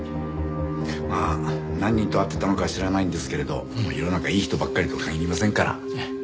まあ何人と会ってたのかは知らないんですけれど世の中いい人ばっかりとは限りませんから。